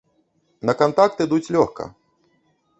На кантакт ідуць лёгка.